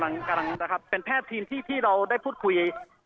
ตอนนี้เป็นแพทย์กำลังเป็นแพทย์ทีมที่เราได้พูดคุย